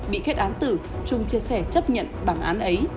bị kết án tử trung chia sẻ chấp nhận bảng án ấy